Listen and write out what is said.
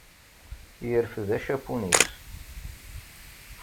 Yerfed acapun-is.